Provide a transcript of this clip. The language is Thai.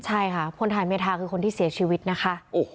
ใช่ค่ะพลทหารเมธาคือคนสีชีวิตนะคะ